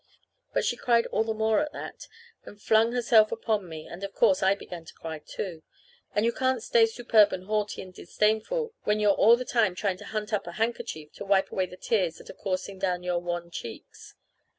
But she cried all the more at that, and flung herself upon me, and, of course, I began to cry, too and you can't stay superb and haughty and disdainful when you're all the time trying to hunt up a handkerchief to wipe away the tears that are coursing down your wan cheeks.